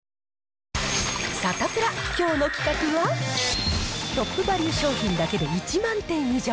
サタプラ、きょうの企画は、トップバリュ商品だけで１万点以上。